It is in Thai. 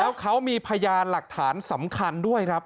แล้วเขามีพยานหลักฐานสำคัญด้วยครับ